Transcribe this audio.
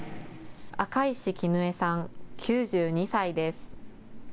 赤石絹江さん、９２歳です。